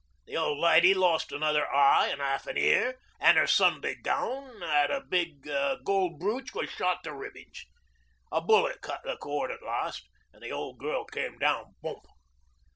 The old lady lost another eye an' half an' ear, an' 'er Sunday gown an' a big gold brooch was shot to ribbons. A bullet cut the cord at last, an' the old girl came down bump.